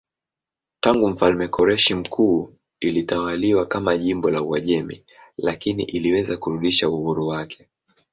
Tangu mfalme Koreshi Mkuu ilitawaliwa kama jimbo la Uajemi lakini iliweza kurudisha uhuru wake.